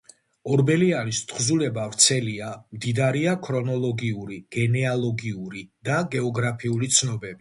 ორბელიანის თხზულება ვრცელია, მდიდარია ქრონოლოგიური, გენეალოგიური და გეოგრაფიული ცნობებით.